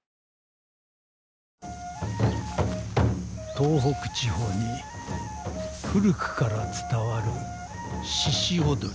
東北地方に古くから伝わるしし踊り。